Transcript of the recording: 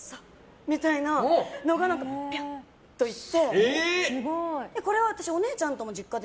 みたいなのがピャッと行って。